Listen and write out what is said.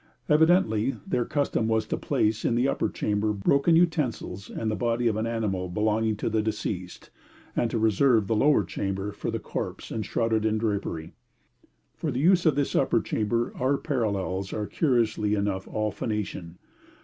Evidently their custom was to place in the upper chamber broken utensils and the body of an animal belonging to the deceased, and to reserve the lower chamber for the corpse enshrouded in drapery. For the use of this upper chamber our parallels are curiously enough all Phoenician.